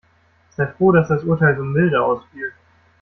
Sei froh, dass das Urteil so milde ausfiel.